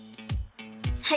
はい！